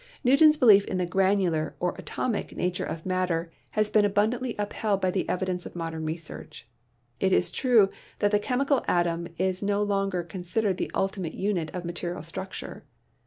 Newton's belief in the granular, or atomic, nature of matter has been abundantly upheld by the evidence of modern research. It is true that the chemical atom is no longer considered the ultimate unit of material structure.